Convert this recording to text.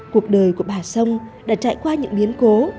cuộc đời của bà sông đã trải qua những biến cố